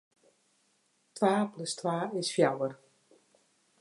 Twa plus twa is fjouwer.